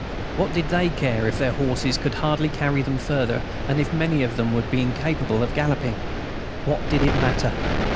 What did they care if their horses could hardly carry them further, and if many of them would be incapable of galloping? What did it matter?